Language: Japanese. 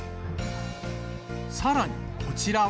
さらにこちらは。